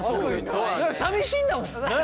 さみしいんだもん。